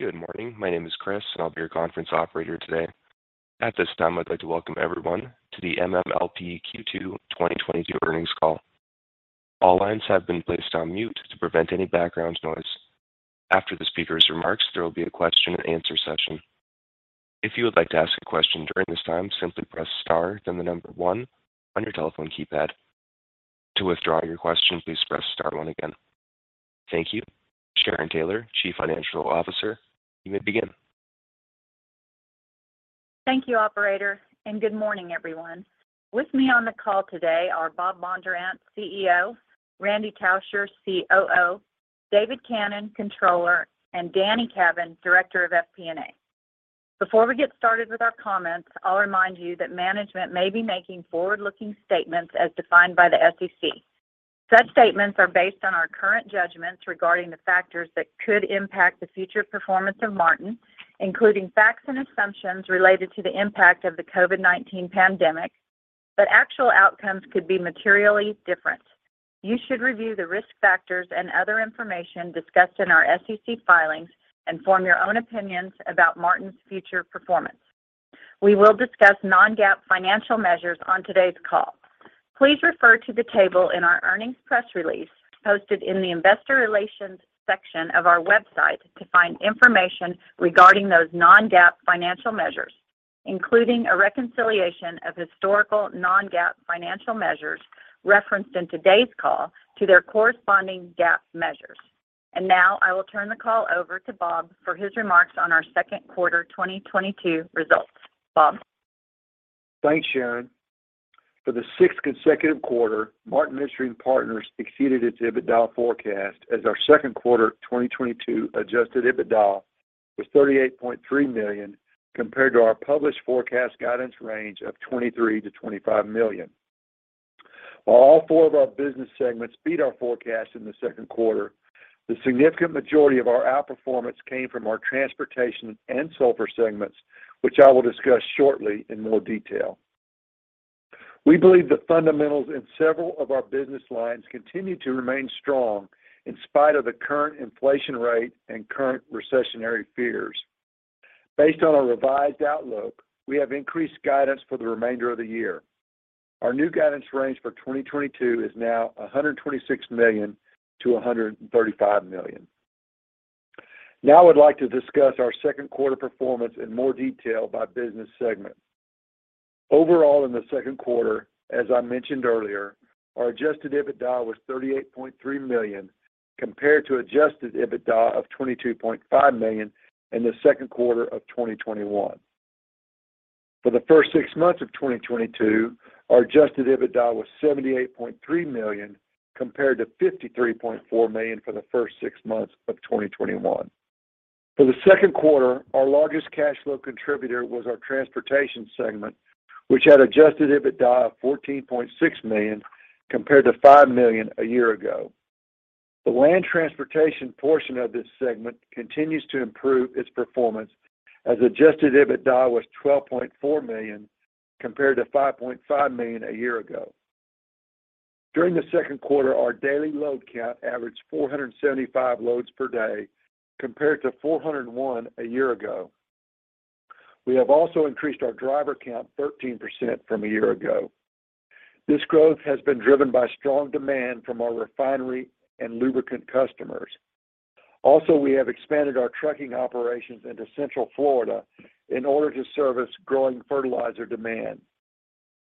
Good morning. My name is Chris, and I'll be your conference operator today. At this time, I'd like to welcome everyone to the MMLP Q2 2022 earnings call. All lines have been placed on mute to prevent any background noise. After the speaker's remarks, there will be a question and answer session. If you would like to ask a question during this time, simply press star then the number one on your telephone keypad. To withdraw your question, please press star one again. Thank you. Sharon Taylor, Chief Financial Officer, you may begin. Thank you, operator, and good morning, everyone. With me on the call today are Bob Bondurant, CEO, Randy Tauscher, COO, David Cannon, Controller, and Danny Cavin, Director of FP&A. Before we get started with our comments, I'll remind you that management may be making forward-looking statements as defined by the SEC. Such statements are based on our current judgments regarding the factors that could impact the future performance of Martin, including facts and assumptions related to the impact of the COVID-19 pandemic, but actual outcomes could be materially different. You should review the risk factors and other information discussed in our SEC filings and form your own opinions about Martin's future performance. We will discuss non-GAAP financial measures on today's call. Please refer to the table in our earnings press release hosted in the investor relations section of our website to find information regarding those non-GAAP financial measures, including a reconciliation of historical non-GAAP financial measures referenced in today's call to their corresponding GAAP measures. Now I will turn the call over to Bob for his remarks on our second quarter 2022 results. Bob. Thanks, Sharon. For the sixth consecutive quarter, Martin Midstream Partners exceeded its EBITDA forecast as our second quarter 2022 adjusted EBITDA was $38.3 million compared to our published forecast guidance range of $23-$25 million. While all four of our business segments beat our forecast in the second quarter, the significant majority of our outperformance came from our transportation and sulfur segments, which I will discuss shortly in more detail. We believe the fundamentals in several of our business lines continue to remain strong in spite of the current inflation rate and current recessionary fears. Based on our revised outlook, we have increased guidance for the remainder of the year. Our new guidance range for 2022 is now $126-$135 million. Now I'd like to discuss our second quarter performance in more detail by business segment. Overall in the second quarter, as I mentioned earlier, our adjusted EBITDA was $38.3 million compared to adjusted EBITDA of $22.5 million in the second quarter of 2021. For the first six months of 2022, our adjusted EBITDA was $78.3 million compared to $53.4 million for the first six months of 2021. For the second quarter, our largest cash flow contributor was our transportation segment, which had adjusted EBITDA of $14.6 million compared to $5 million a year ago. The land transportation portion of this segment continues to improve its performance as adjusted EBITDA was $12.4 million compared to $5.5 million a year ago. During the second quarter, our daily load count averaged 475 loads per day compared to 401 a year ago. We have also increased our driver count 13% from a year ago. This growth has been driven by strong demand from our refinery and lubricant customers. Also, we have expanded our trucking operations into Central Florida in order to service growing fertilizer demand.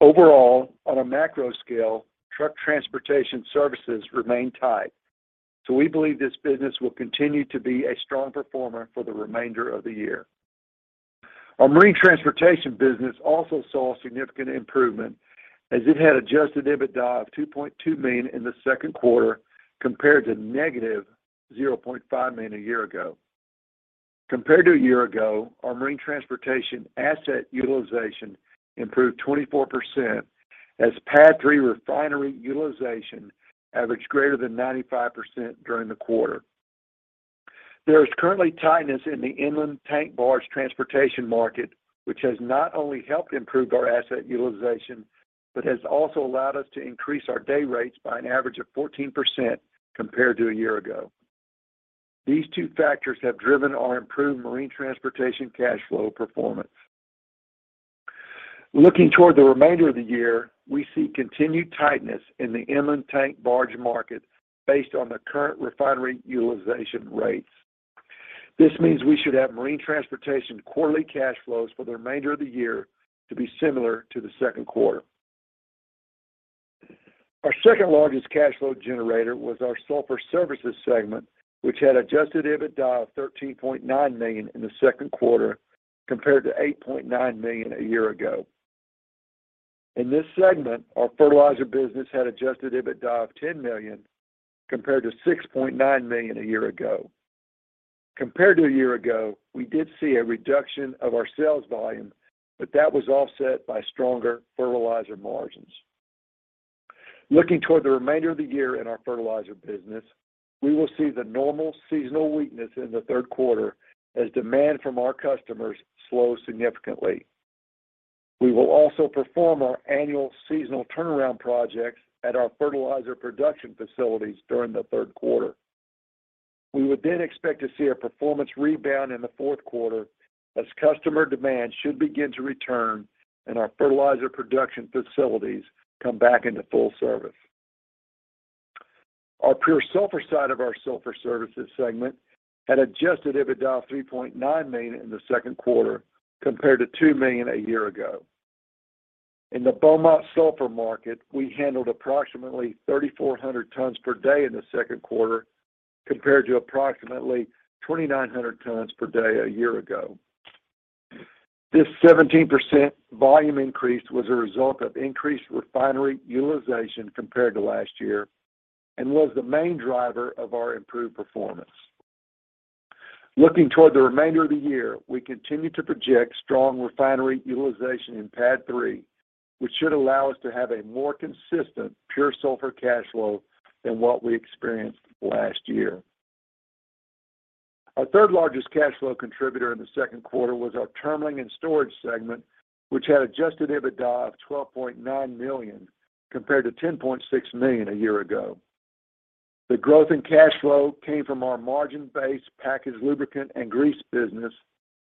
Overall, on a macro scale, truck transportation services remain tight, so we believe this business will continue to be a strong performer for the remainder of the year. Our marine transportation business also saw significant improvement as it had adjusted EBITDA of $2.2 million in the second quarter compared to -$0.5 million a year ago. Compared to a year ago, our marine transportation asset utilization improved 24% as PADD 3 refinery utilization averaged greater than 95% during the quarter. There is currently tightness in the inland tank barge transportation market, which has not only helped improve our asset utilization, but has also allowed us to increase our day rates by an average of 14% compared to a year ago. These two factors have driven our improved marine transportation cash flow performance. Looking toward the remainder of the year, we see continued tightness in the inland tank barge market based on the current refinery utilization rates. This means we should have marine transportation quarterly cash flows for the remainder of the year to be similar to the second quarter. Our second-largest cash flow generator was our sulfur services segment, which had adjusted EBITDA of $13.9 million in the second quarter compared to $8.9 million a year ago. In this segment, our fertilizer business had adjusted EBITDA of $10 million compared to $6.9 million a year ago. Compared to a year ago, we did see a reduction of our sales volume, but that was offset by stronger fertilizer margins. Looking toward the remainder of the year in our fertilizer business, we will see the normal seasonal weakness in the third quarter as demand from our customers slows significantly. We will also perform our annual seasonal turnaround projects at our fertilizer production facilities during the third quarter. We would then expect to see a performance rebound in the fourth quarter as customer demand should begin to return and our fertilizer production facilities come back into full service. Our pure sulfur side of our sulfur services segment had adjusted EBITDA of $3.9 million in the second quarter compared to $2 million a year ago. In the Beaumont sulfur market, we handled approximately 3,400 tons per day in the second quarter compared to approximately 2,900 tons per day a year ago. This 17% volume increase was a result of increased refinery utilization compared to last year and was the main driver of our improved performance. Looking toward the remainder of the year, we continue to project strong refinery utilization in PADD 3, which should allow us to have a more consistent pure sulfur cash flow than what we experienced last year. Our third-largest cash flow contributor in the second quarter was our terminal and storage segment, which had adjusted EBITDA of $12.9 million, compared to $10.6 million a year ago. The growth in cash flow came from our margin-based packaged lubricant and grease business,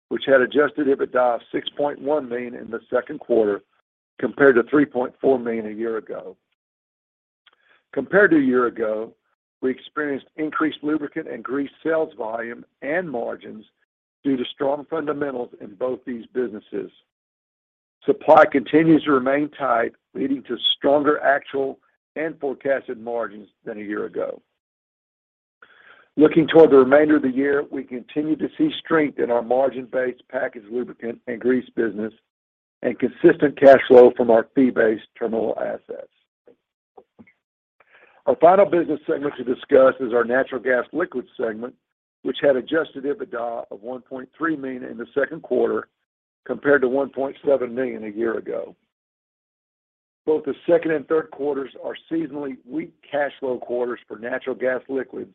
which had adjusted EBITDA of $6.1 million in the second quarter compared to $3.4 million a year ago. Compared to a year ago, we experienced increased lubricant and grease sales volume and margins due to strong fundamentals in both these businesses. Supply continues to remain tight, leading to stronger actual and forecasted margins than a year ago. Looking toward the remainder of the year, we continue to see strength in our margin-based packaged lubricant and grease business and consistent cash flow from our fee-based terminal assets. Our final business segment to discuss is our natural gas liquids segment, which had adjusted EBITDA of $1.3 million in the second quarter compared to $1.7 million a year ago. Both the second and third quarters are seasonally weak cash flow quarters for natural gas liquids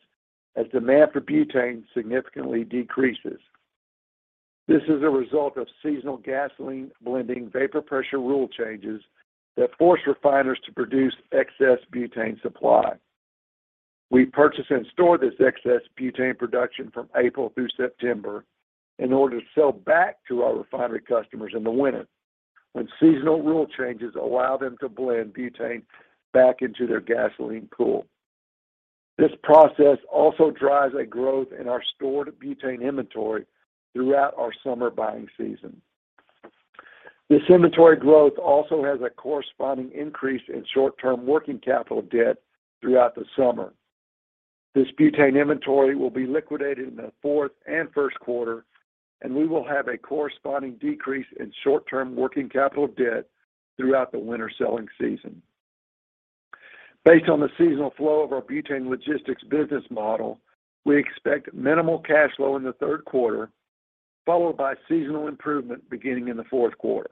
as demand for butane significantly decreases. This is a result of seasonal gasoline blending vapor pressure rule changes that force refiners to produce excess butane supply. We purchase and store this excess butane production from April through September in order to sell back to our refinery customers in the winter when seasonal rule changes allow them to blend butane back into their gasoline pool. This process also drives a growth in our stored butane inventory throughout our summer buying season. This inventory growth also has a corresponding increase in short-term working capital debt throughout the summer. This butane inventory will be liquidated in the fourth and first quarter, and we will have a corresponding decrease in short-term working capital debt throughout the winter selling season. Based on the seasonal flow of our butane logistics business model, we expect minimal cash flow in the third quarter, followed by seasonal improvement beginning in the fourth quarter.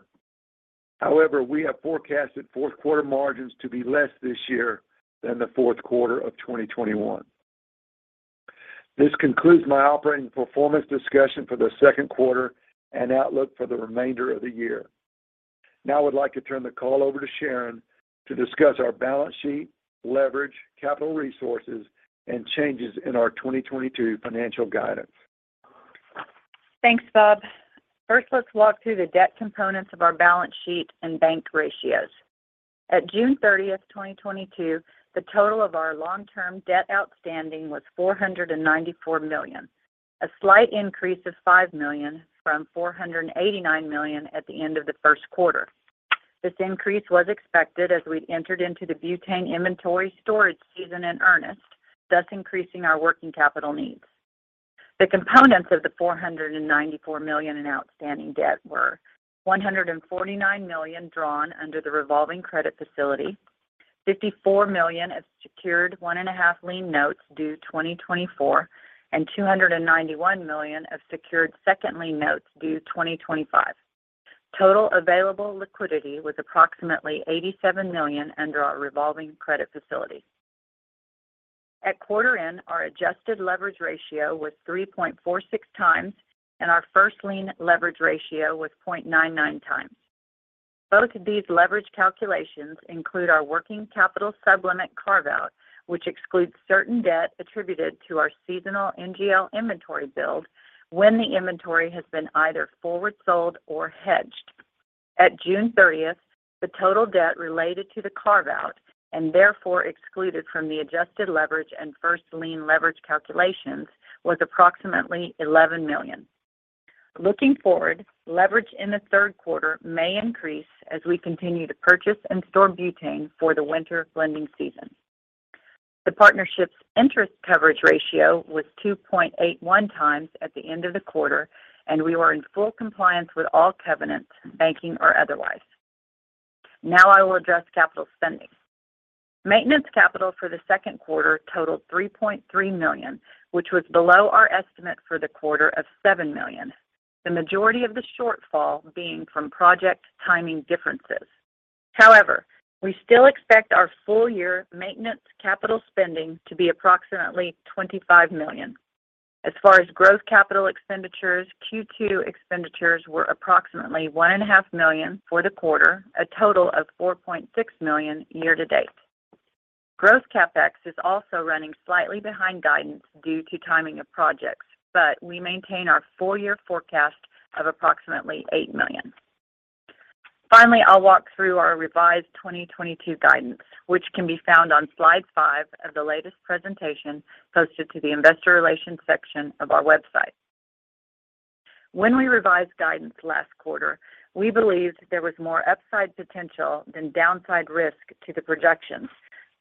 However, we have forecasted fourth quarter margins to be less this year than the fourth quarter of 2021. This concludes my operating performance discussion for the second quarter and outlook for the remainder of the year. Now I would like to turn the call over to Sharon to discuss our balance sheet, leverage, capital resources, and changes in our 2022 financial guidance. Thanks, Bob. First, let's walk through the debt components of our balance sheet and bank ratios. At June 30th, 2022, the total of our long-term debt outstanding was $494 million, a slight increase of $5 million from $489 million at the end of the first quarter. This increase was expected as we entered into the butane inventory storage season in earnest, thus increasing our working capital needs. The components of the $494 million in outstanding debt were $149 million drawn under the revolving credit facility, $54 million of secured one and a half lien notes due 2024, and $291 million of secured second lien notes due 2025. Total available liquidity was approximately $87 million under our revolving credit facility. At quarter end, our adjusted leverage ratio was 3.46x, and our first lien leverage ratio was 0.99x. Both of these leverage calculations include our working capital supplement carve-out, which excludes certain debt attributed to our seasonal NGL inventory build when the inventory has been either forward sold or hedged. At June 30th, the total debt related to the carve-out, and therefore excluded from the adjusted leverage and first lien leverage calculations, was approximately $11 million. Looking forward, leverage in the third quarter may increase as we continue to purchase and store butane for the winter blending season. The partnership's interest coverage ratio was 2.81x at the end of the quarter, and we were in full compliance with all covenants, banking or otherwise. Now I will address capital spending. Maintenance capital for the second quarter totaled $3.3 million, which was below our estimate for the quarter of $7 million. The majority of the shortfall being from project timing differences. However, we still expect our full year maintenance capital spending to be approximately $25 million. As far as growth capital expenditures, Q2 expenditures were approximately $1.5 million for the quarter, a total of $4.6 million year to date. Gross CapEx is also running slightly behind guidance due to timing of projects, but we maintain our full year forecast of approximately $8 million. Finally, I'll walk through our revised 2022 guidance, which can be found on slide five of the latest presentation posted to the investor relations section of our website. When we revised guidance last quarter, we believed there was more upside potential than downside risk to the projections,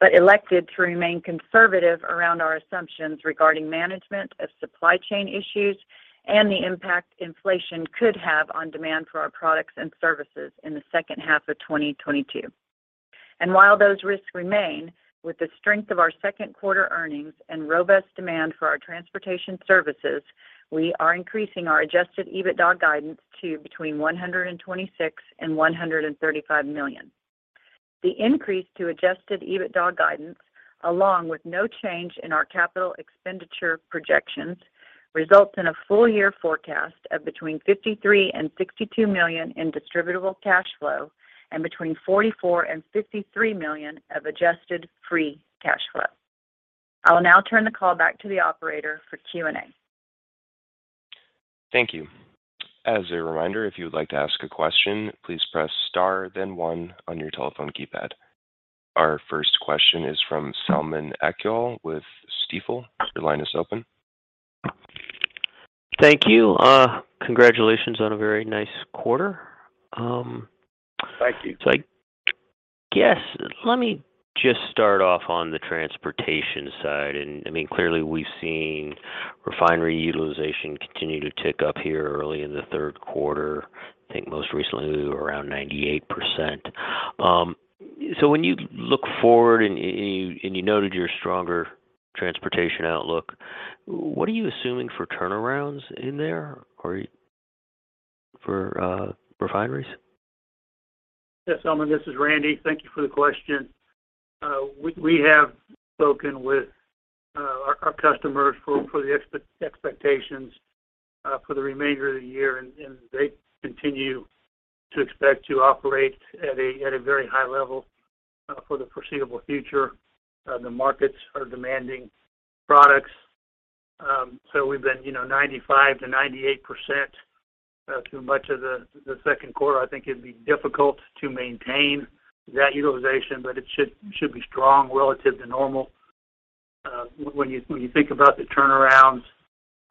but elected to remain conservative around our assumptions regarding management of supply chain issues and the impact inflation could have on demand for our products and services in the second half of 2022. While those risks remain, with the strength of our second quarter earnings and robust demand for our transportation services, we are increasing our adjusted EBITDA guidance to between $126 million and $135 million. The increase to adjusted EBITDA guidance, along with no change in our capital expenditure projections, results in a full year forecast of between $53 million and $62 million in distributable cash flow and between $44 million and $53 million of adjusted free cash flow. I will now turn the call back to the operator for Q&A. Thank you. As a reminder, if you would like to ask a question, please press star then one on your telephone keypad. Our first question is from Selman Akyol with Stifel. Your line is open. Thank you. Congratulations on a very nice quarter. Thank you. I guess let me just start off on the transportation side. I mean, clearly we've seen refinery utilization continue to tick up here early in the third quarter. I think most recently we were around 98%. When you look forward and you noted your stronger transportation outlook, what are you assuming for turnarounds in there or for refineries? Yes, Selman, this is Randy. Thank you for the question. We have spoken with our customers for the expectations for the remainder of the year, and they continue to expect to operate at a very high level for the foreseeable future. The markets are demanding products. So we've been, you know, 95%-98% through much of the second quarter. I think it'd be difficult to maintain that utilization, but it should be strong relative to normal. When you think about the turnarounds,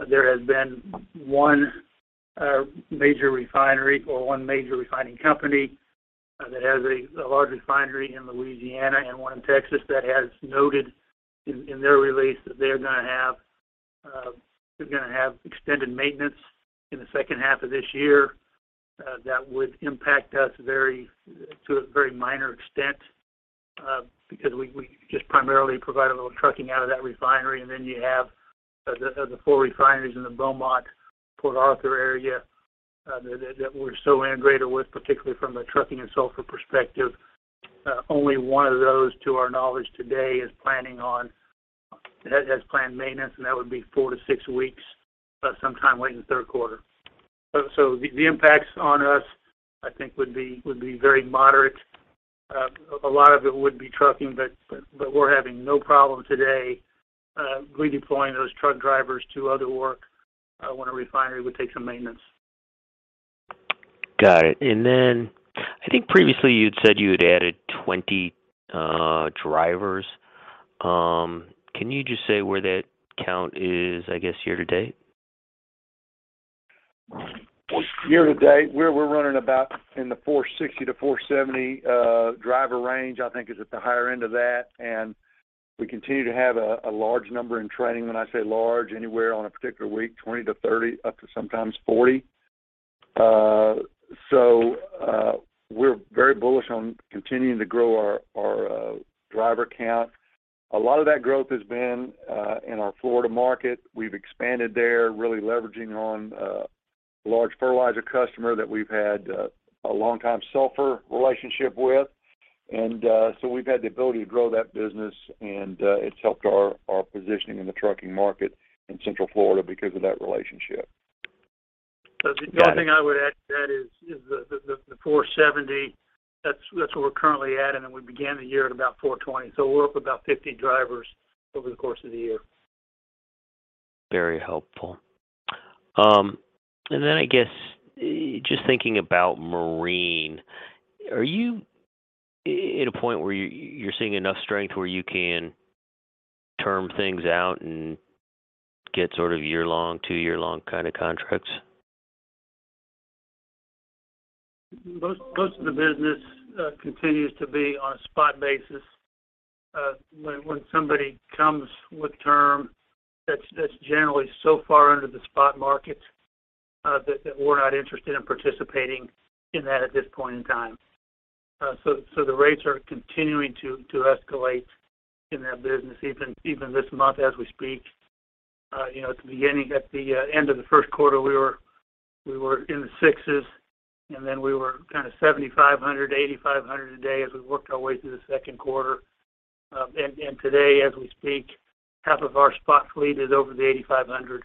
there has been one major refinery or one major refining company that has a large refinery in Louisiana and one in Texas that has noted in their release that they're gonna have extended maintenance in the second half of this year. That would impact us to a very minor extent, because we just primarily provide a little trucking out of that refinery. Then you have the four refineries in the Beaumont, Port Arthur area that we're so integrated with, particularly from a trucking and sulfur perspective. Only one of those, to our knowledge to date, has planned maintenance, and that would be four-six weeks sometime late in the third quarter. The impacts on us, I think, would be very moderate. A lot of it would be trucking, but we're having no problem today redeploying those truck drivers to other work when a refinery would take some maintenance. Got it. I think previously you'd said you had added 20 drivers. Can you just say where that count is, I guess, year to date? Year to date we're running about in the 460-470 driver range. I think it's at the higher end of that, and we continue to have a large number in training. When I say large, anywhere on a particular week, 20-30, up to sometimes 40. We're very bullish on continuing to grow our driver count. A lot of that growth has been in our Florida market. We've expanded there, really leveraging on a large fertilizer customer that we've had a long time sulfur relationship with. We've had the ability to grow that business and it's helped our positioning in the trucking market in Central Florida because of that relationship. Got it. The only thing I would add to that is the 470, that's where we're currently at, and then we began the year at about 420. We're up about 50 drivers over the course of the year. Very helpful. I guess just thinking about marine, are you at a point where you're seeing enough strength where you can term things out and get sort of year-long, two-year-long kind of contracts? Most of the business continues to be on a spot basis. When somebody comes with term that's generally so far under the spot market that we're not interested in participating in that at this point in time. The rates are continuing to escalate in that business even this month as we speak. You know, at the end of the first quarter, we were in the $6,000s, and then we were kind of $7,500, $8,500 a day as we worked our way through the second quarter. Today, as we speak, half of our spot fleet is over the $8,500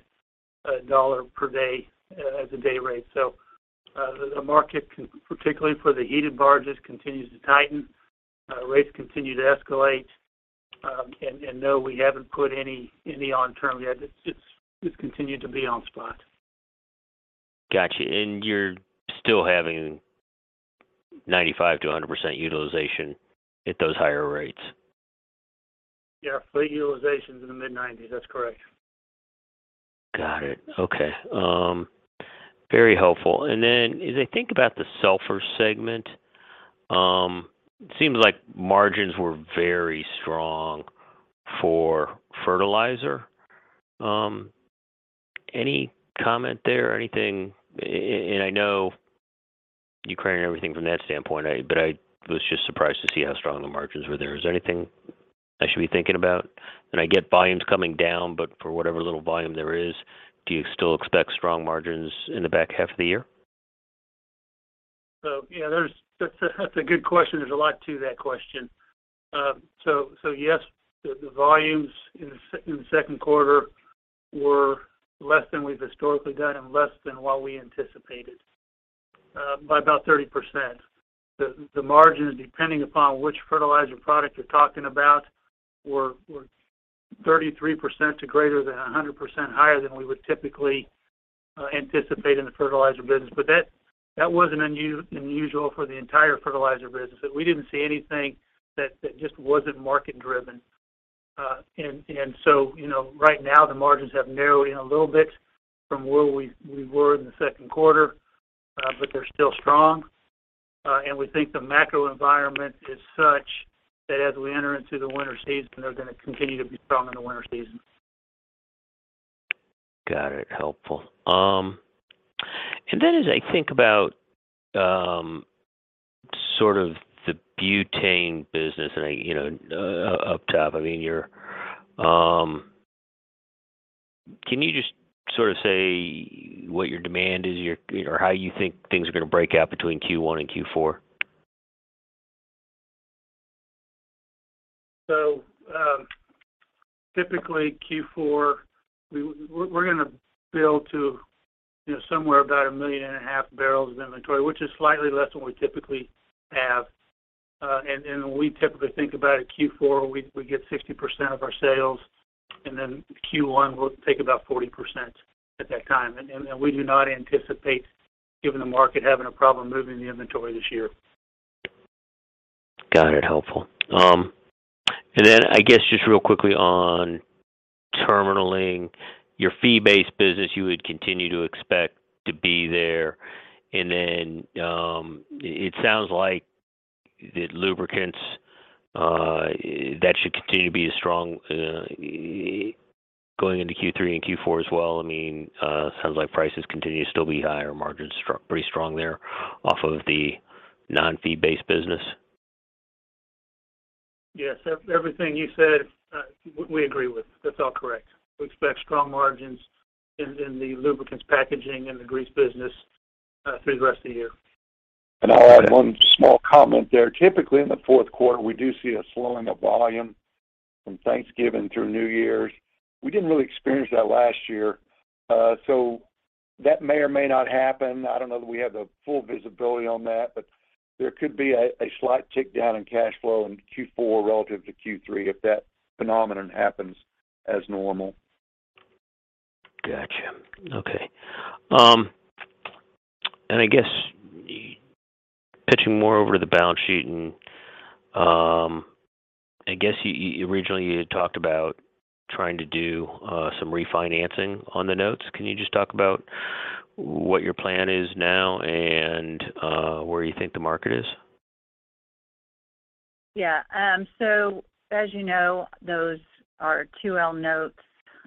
dollar per day as a day rate. The market, particularly for the heated barges, continues to tighten. Rates continue to escalate. No, we haven't put any on term yet. It's continued to be on spot. Got you. You're still having 95%-100% utilization at those higher rates? Yeah. Fleet utilization's in the mid-90s%. That's correct. Got it. Okay. Very helpful. Then, as I think about the sulfur segment, seems like margins were very strong for fertilizer. Any comment there or anything? I know you're carrying everything from that standpoint. I was just surprised to see how strong the margins were there. Is there anything I should be thinking about? I get volumes coming down, but for whatever little volume there is, do you still expect strong margins in the back half of the year? Yeah. That's a good question. There's a lot to that question. Yes, the volumes in the second quarter were less than we've historically done and less than what we anticipated by about 30%. The margins, depending upon which fertilizer product you're talking about, were 33% to greater than 100% higher than we would typically anticipate in the fertilizer business. That wasn't unusual for the entire fertilizer business, that we didn't see anything that just wasn't market driven. You know, right now the margins have narrowed in a little bit from where we were in the second quarter, but they're still strong. We think the macro environment is such that as we enter into the winter season, they're gonna continue to be strong in the winter season. Got it. Helpful. As I think about sort of the butane business and I, you know, up top, I mean, you're. Can you just sort of say what your demand is, your, or how you think things are gonna break out between Q1 and Q4? Typically Q4, we're gonna build to, you know, somewhere about 1.5 million barrels of inventory, which is slightly less than we typically have. We typically think about it, Q4, we get 60% of our sales, and then Q1 will take about 40% at that time. We do not anticipate the market having a problem moving the inventory this year. Got it. Helpful. I guess just real quickly on terminalling. Your fee-based business, you would continue to expect to be there. It sounds like the lubricants that should continue to be as strong going into Q3 and Q4 as well. I mean, sounds like prices continue to still be higher. Margins strong, pretty strong there off of the non-fee based business. Yes. Everything you said, we agree with. That's all correct. We expect strong margins in the lubricants packaging and the grease business through the rest of the year. I'll add one small comment there. Typically, in the fourth quarter, we do see a slowing of volume from Thanksgiving through New Year's. We didn't really experience that last year. That may or may not happen. I don't know that we have the full visibility on that, but there could be a slight tick down in cash flow in Q4 relative to Q3 if that phenomenon happens as normal. Gotcha. Okay. I guess shifting more over to the balance sheet and, I guess you originally had talked about trying to do some refinancing on the notes. Can you just talk about what your plan is now and where you think the market is? Yeah. As you know, those are 2L notes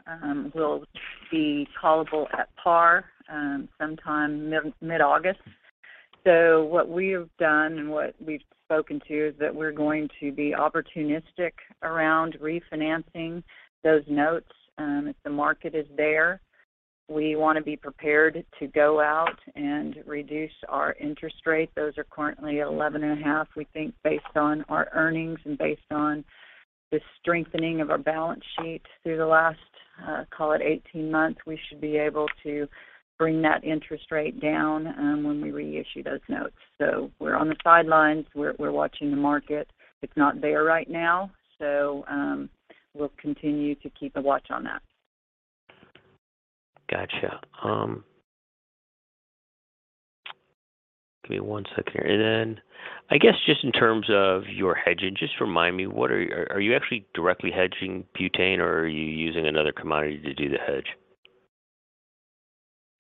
and will be callable at par sometime mid-August. What we have done and what we've spoken to is that we're going to be opportunistic around refinancing those notes if the market is there. We want to be prepared to go out and reduce our interest rate. Those are currently 11.5. We think based on our earnings and based on the strengthening of our balance sheet through the last, call it 18 months, we should be able to bring that interest rate down when we reissue those notes. We're on the sidelines. We're watching the market. It's not there right now, so we'll continue to keep a watch on that. Gotcha. Give me one second here. Then I guess just in terms of your hedging, just remind me what are you actually directly hedging butane or are you using another commodity to do the hedge?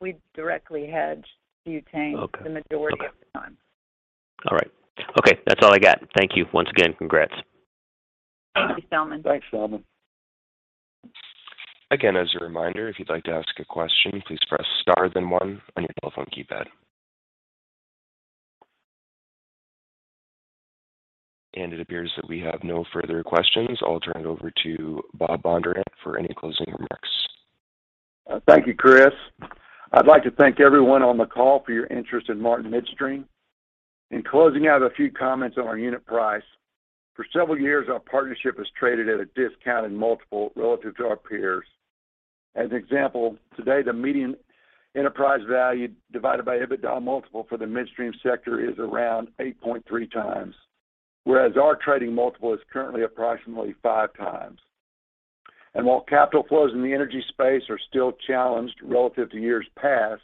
We directly hedge butane. Okay. the majority of the time. All right. Okay. That's all I got. Thank you once again. Congrats. Thank you, Selman. Thanks, Selman. Again, as a reminder, if you'd like to ask a question, please press star then one on your telephone keypad. It appears that we have no further questions. I'll turn it over to Bob Bondurant for any closing remarks. Thank you, Chris. I'd like to thank everyone on the call for your interest in Martin Midstream. In closing, I have a few comments on our unit price. For several years, our partnership has traded at a discounted multiple relative to our peers. As an example, today the median enterprise value divided by EBITDA multiple for the midstream sector is around 8.3x, whereas our trading multiple is currently approximately 5x. While capital flows in the energy space are still challenged relative to years past,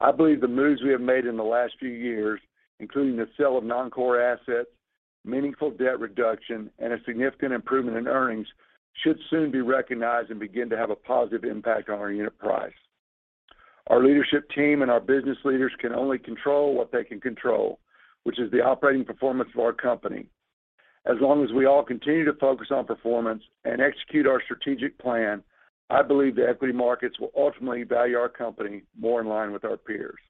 I believe the moves we have made in the last few years, including the sale of non-core assets, meaningful debt reduction, and a significant improvement in earnings, should soon be recognized and begin to have a positive impact on our unit price. Our leadership team and our business leaders can only control what they can control, which is the operating performance of our company. As long as we all continue to focus on performance and execute our strategic plan, I believe the equity markets will ultimately value our company more in line with our peers.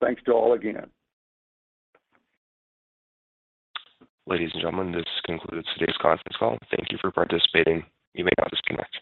Thanks to all again. Ladies and gentlemen, this concludes today's conference call. Thank you for participating. You may now disconnect.